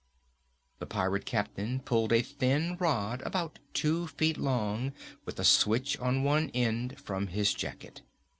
The pirate captain pulled a thin rod about two feet long, with a switch on one end, from his jacket.